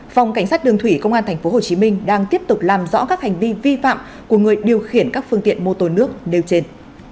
phòng cảnh sát đường thủy công an thành phố hồ chí minh đang tiếp tục làm rõ các hành vi vi phạm của người điều khiển các phương tiện mô tô nước nêu trên